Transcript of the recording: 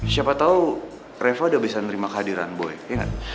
siapa tau reva udah bisa nerima kehadiran boy iya gak